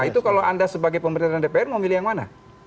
nah itu kalau anda sebagai pemerintah dan dpr mau milih yang mana